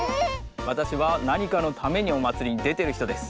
わたしはなにかのためにおまつりにでてるひとです。